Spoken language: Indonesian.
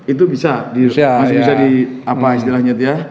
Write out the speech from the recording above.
itu bisa masih bisa di apa istilahnya itu ya